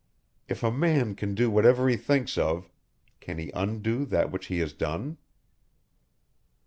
If a man can do whatever he thinks of can he undo that which he has done?